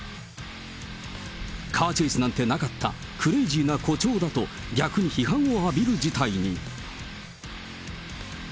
カーチェイスなんてなかった、クレイジーな誇張だと、逆に批判を浴びる事態に。